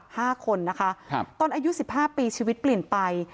ห้าคนนะคะตอนอายุ๑๕ปีชีวิตเปลี่ยนไป